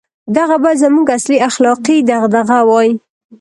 • دغه باید زموږ اصلي اخلاقي دغدغه وای.